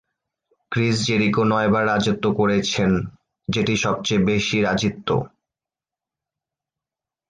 Chris Jericho নয়বার রাজত্ব করেছেন, যেটি সবচেয়ে বেশি রাজিত্ব।